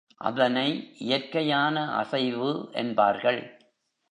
அதனை இயற்கையான அசைவு என்பார்கள்.